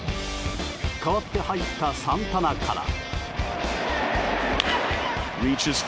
代わって入ったサンタナから。